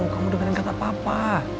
kamu dengerin kata papa